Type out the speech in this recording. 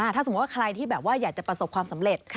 ถ้าสมมุติว่าใครที่แบบว่าอยากจะประสบความสำเร็จ